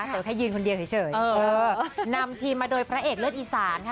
เธอแค่ยืนคนเดียวเฉยเฉยเออเออนำทีมมาโดยพระเอกเลิศอีสานค่ะ